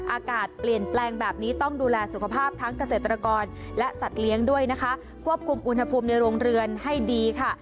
อากาศเปลี่ยนแปลงแบบนี้ต้องดูแลสุขภาพทั้งเกษตรกรและสัตว์เลี้ยงด้วยนะคะควบคุมอุณหภูมิในโรงเรือนให้ดีค่ะ